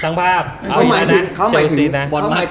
ช่างภาพเอาอีกหน่อยนะ